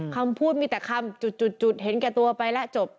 คำพูดมีแต่คำจุดเห็นแก่ตัวไปแล้วจบ